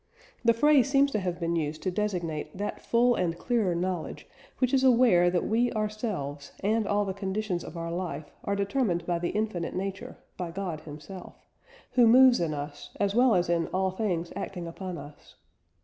The phrase seems to have been used to designate that full and clearer knowledge which is aware that we ourselves and all the conditions of our life are determined by the infinite Nature, by God Himself, who moves in us as well as in all things acting upon us.